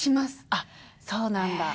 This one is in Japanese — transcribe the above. あっそうなんだ。